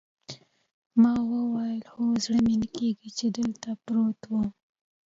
ما وویل: هو، زړه مې نه کېږي چې دلته پروت وم.